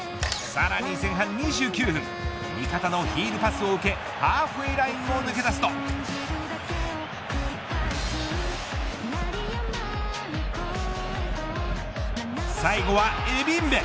さらに前半２９分味方のヒールパスを受けハーフウエーラインを抜け出すと最後はエビンベ。